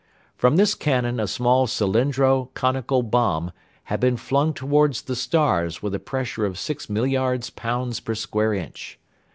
From this cannon a small cylindro conical bomb had been flung towards the stars with a pressure of six millards pounds per square inch.